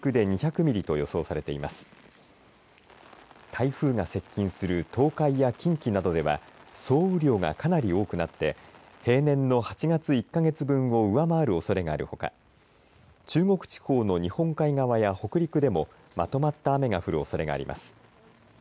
台風が接近する東海や近畿などでは総雨量がかなり多くなって平年の８月１か月分を上回るおそれがあるほか中国地方の日本海側や北陸でもまとまった雨が降るおそれがあります。